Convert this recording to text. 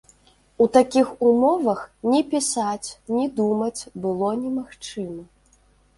У такіх умовах ні пісаць, ні думаць было немагчыма.